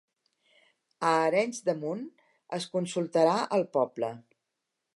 A Arenys de Munt es consultarà al poble